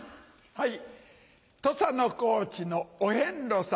はい。